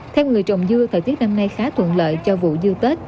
theo người trồng dưa thời tiết năm nay khá thuận lợi cho vụ dư tết